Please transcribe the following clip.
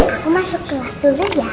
aku masuk kelas dulu ya